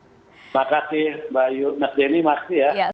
terima kasih mbak denny masih ya